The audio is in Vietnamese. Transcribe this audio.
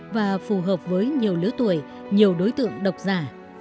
và phù hợp với nhiều lứa tuổi nhiều đối tượng độc giả